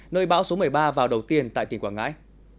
nơi bão số một mươi ba vào đầu tiên tại tỉnh quảng ngãi